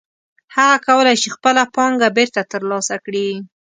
هغه کولی شي خپله پانګه بېرته ترلاسه کړي